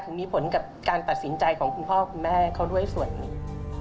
ถึงมีผลกับการตัดสินใจของพ่อและคุณแม่ด้วยส่วนนี้